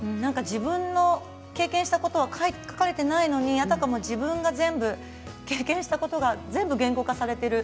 自分が経験したことは書かれていないのにあたかも自分が経験したことが全部言語化されている